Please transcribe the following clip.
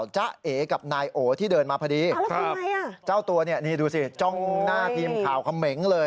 เจ้าตัวนี่ดูสิจ้องหน้าทีมข่าวเขมงเลย